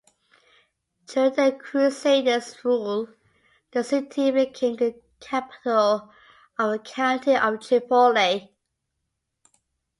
During the Crusaders' rule the city became the capital of the County of Tripoli.